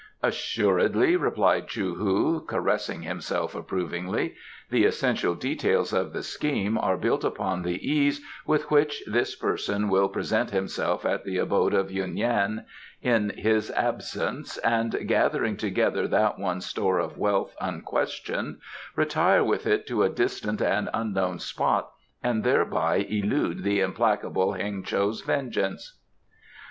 "Assuredly," replied Chou hu, caressing himself approvingly. "The essential details of the scheme are built about the ease with which this person could present himself at the abode of Yuen Yan in his absence and, gathering together that one's store of wealth unquestioned, retire with it to a distant and unknown spot and thereby elude the implacable Heng cho's vengeance."